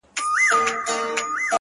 ستا د سونډو د خندا په خاليگاه كـي ـ